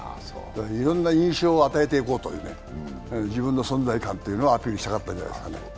いろんな印象を与えていこうというね、自分の存在感をアピールしたかったんじゃないですかね。